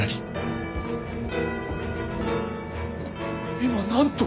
今なんと？